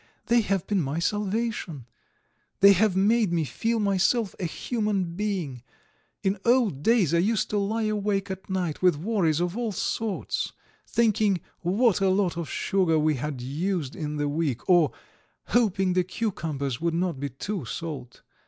They have been my salvation; they have made me feel myself a human being. In old days I used to lie awake at night with worries of all sorts, thinking what a lot of sugar we had used in the week, or hoping the cucumbers would not be too salt.